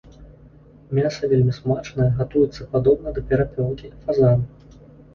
Мяса вельмі смачнае, гатуецца падобна да перапёлкі, фазана.